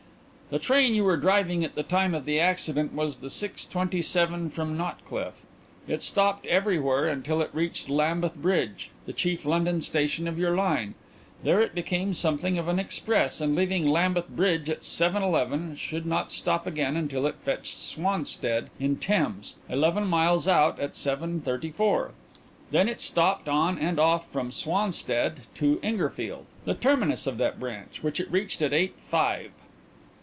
"The train you were driving at the time of the accident was the six twenty seven from Notcliff. It stopped everywhere until it reached Lambeth Bridge, the chief London station of your line. There it became something of an express, and leaving Lambeth Bridge at seven eleven, should not stop again until it fetched Swanstead on Thames, eleven miles out, at seven thirty four. Then it stopped on and off from Swanstead to Ingerfield, the terminus of that branch, which it reached at eight five."